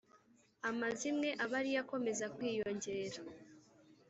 amazimwe aba ari yo akomeza kwiyongera.